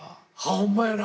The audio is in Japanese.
ほんまやな！